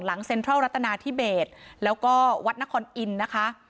หลังเซ็นทรัลรัตนาที่เบสแล้วก็วัดนครอินนะคะ